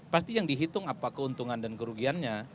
pasti yang dihitung apa keuntungan dan kerugiannya